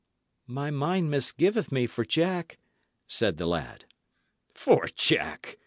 "My mind misgiveth me for Jack," said the lad. "For Jack!"